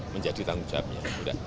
menjadi tanggung jawabnya